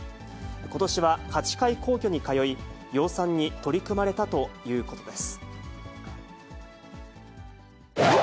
ことしは８回皇居に通い、養蚕に取り組まれたということです。